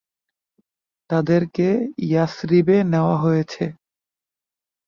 তাদেরকে ইয়াসরিবে নেয়া হয়েছে।